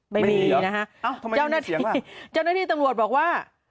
ไม่มีนะฮะอ้าวทำไมยังมีเสียงว่ะเจ้าหน้าที่จ้าหน้าที่ตังรวจบอกว่า